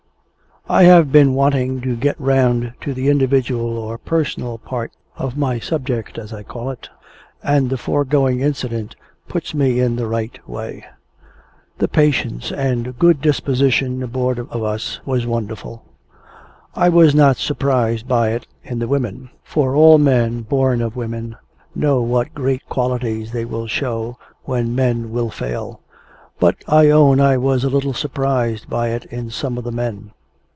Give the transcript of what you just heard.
I have been wanting to get round to the individual or personal part of my subject, as I call it, and the foregoing incident puts me in the right way. The patience and good disposition aboard of us, was wonderful. I was not surprised by it in the women; for all men born of women know what great qualities they will show when men will fail; but, I own I was a little surprised by it in some of the men.